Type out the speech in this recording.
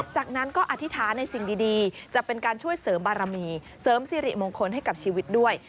จากนั้นก็อธิษฐานในสิ่งดีจะเป็นการช่วยเสริมบารมีเสริมสิริมงคลให้กับชีวิตด้วย